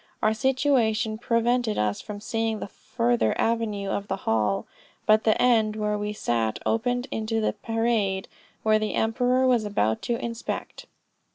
Our situation prevented us from seeing the further avenue of the hall, but the end where we sat opened into the parade which the emperor was about to inspect.